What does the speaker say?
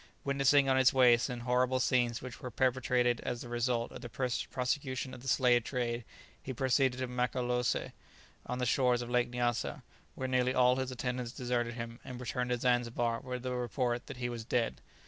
Witnessing on his way some horrible scenes which were perpetrated as the result of the prosecution of the slave trade, he proceeded to Mokalaosé on the shores of Lake Nyassa, where nearly all his attendants deserted him, and returned to Zanzibar with the report that he was dead.